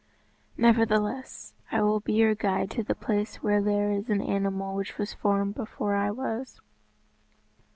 Nevertheless, I will be your guide to the place where there is an animal which was formed before I was."